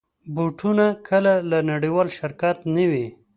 بوټونه کله له نړېوال شرکت نه وي.